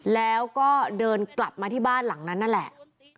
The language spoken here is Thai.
แล้วก็เดินกลับมาที่บ้านหลังนั้นนั่นแหละ